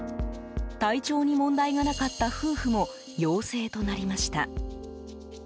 体調に問題がなかった夫婦も陽性となりました。